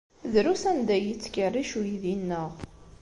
Drus anda ay yettkerric uydi-nneɣ.